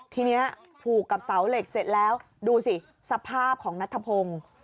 ทีนี้ผูกกับเสาเหล็กเสร็จแล้วดูสิสภาพของนัทธพงศ์